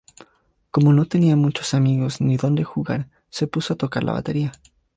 Como no tenía muchos amigos ni donde jugar, se puso a tocar la batería.